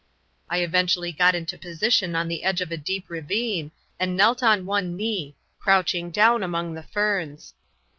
I eventually got into position on the edge of a deep ravine and knelt on one knee, crouching down among the ferns.